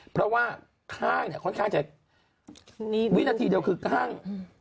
เพราะว่าข้างเนี่ยค่อนข้างจะวินาทีเดียวคือข้าง